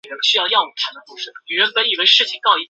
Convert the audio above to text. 刘怦生于唐玄宗开元十五年。